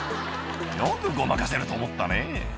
「よくごまかせると思ったね」